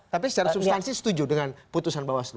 tapi secara substansi setuju dengan putusan bawaslu